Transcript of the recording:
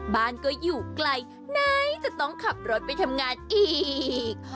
บ้านก็อยู่ไกลไหนจะต้องขับรถไปทำงานอีก